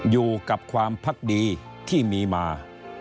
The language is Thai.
อยู่กับความพักดีที่มีมา